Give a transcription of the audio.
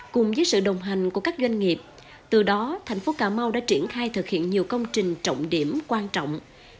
cùng với sự đồng hành của các doanh nghiệp từ đó thành phố cà mau đã triển khai thực hiện nhiều công trình trọng điểm quan trọng